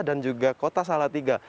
dan juga kota salatiga